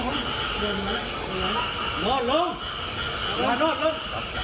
นอดลงนอดลง